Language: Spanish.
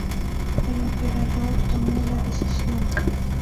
El emperador tomó la decisión.